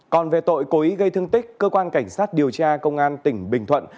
còn về tội cố ý gây thương tích cơ quan cảnh sát điều tra công an tỉnh bình thuận